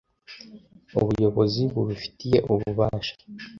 Ubuyobozi bubifitiye ububasha